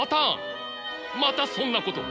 またそんなことを！